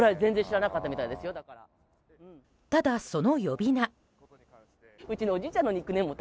ただ、その呼び名。